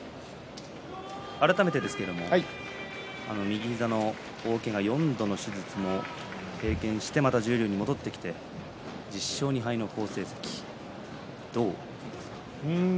改めて右膝の大けが４度の手術も経験してまた十両に戻ってきて１０勝２敗の好成績どうですか？